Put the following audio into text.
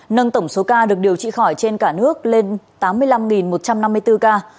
nâng tổng số ca được điều trị khỏi trên cả nước lên tám mươi năm một trăm năm mươi bốn ca